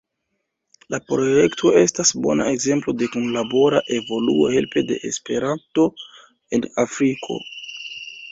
La projekto estas bona ekzemplo de kunlabora evoluo helpe de Esperanto en Afriko.